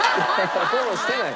フォローしてない。